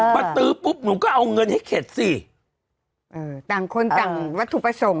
ตื้อปุ๊บหนูก็เอาเงินให้เข็ดสิเออต่างคนต่างวัตถุประสงค์